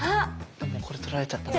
でもこれ取られちゃったらな。